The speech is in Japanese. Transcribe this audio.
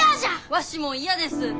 わしも嫌です！